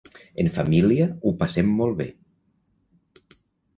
En família ho passem molt bé.